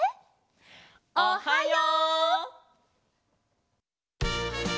おはよう！